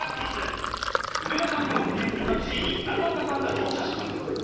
梅田さんが運転するタクシーに中岡さんが乗車します。